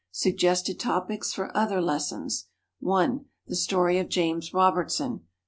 Suggested Topics for Other Lessons: (1) The Story of James Robertson.